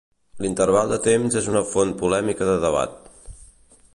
L'interval de temps es una font polèmica de debat.